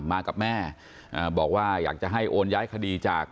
มากับแม่บอกว่าอยากจะให้โอนย้ายคดีจาก